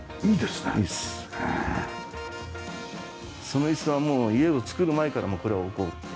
その椅子はもう家を造る前からもうこれは置こうって。